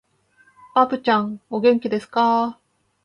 ばぶちゃん、お元気ですかー